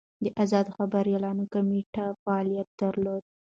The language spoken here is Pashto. د ازادو خبریالانو کمېټه فعالیت درلود.